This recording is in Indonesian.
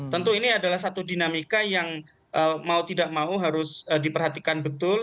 tentu ini adalah satu dinamika yang mau tidak mau harus diperhatikan betul